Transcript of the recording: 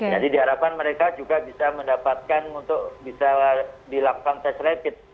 jadi diharapkan mereka juga bisa mendapatkan untuk bisa dilakukan tes rapid